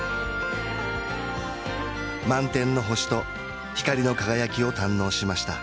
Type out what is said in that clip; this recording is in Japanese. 満天の星と光の輝きを堪能しました